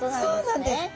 そうなんです。